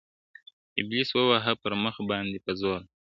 ابليس وواهه پر مخ باندي په زوره `